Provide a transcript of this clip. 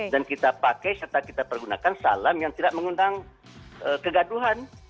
kita pakai serta kita pergunakan salam yang tidak mengundang kegaduhan